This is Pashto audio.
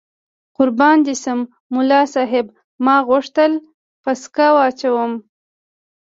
قربان دې شم، ملا صاحب ما غوښتل پسکه واچوم.